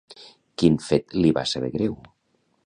Quin fet li va saber greu?